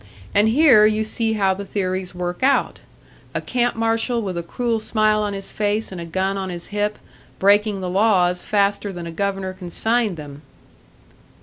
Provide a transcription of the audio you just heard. And here you see how the theories work out a camp marshal with a cruel smile on his face and a gun on his hip, breaking the laws faster than a governor can sign them."